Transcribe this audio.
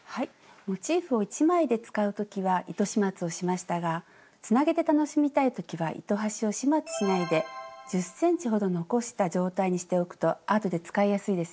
モチーフを１枚で使う時は糸始末をしましたがつなげて楽しみたい時は糸端を始末しないで１０ｃｍほど残した状態にしておくとあとで使いやすいですよ。